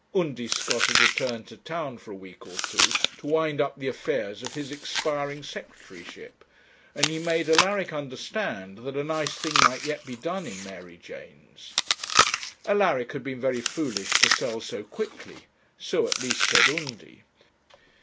Undy Scott had returned to town for a week or two to wind up the affairs of his expiring secretaryship, and he made Alaric understand that a nice thing might yet be done in Mary Janes. Alaric had been very foolish to sell so quickly; so at least said Undy.